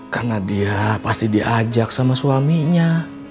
karena dia pasti diajak sama suaminya